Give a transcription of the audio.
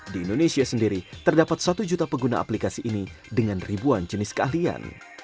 di indonesia sendiri terdapat satu juta pengguna aplikasi ini dengan ribuan jenis keahlian